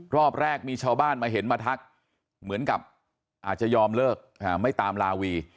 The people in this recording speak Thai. รอบแรกมีชาวบ้านมาเห็นมาทักเหมือนกับอาจจะยอมเลิกไม่ตามลาวี